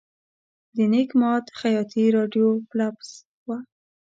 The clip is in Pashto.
د نیک ماد خیاط راډیو فلپس وه.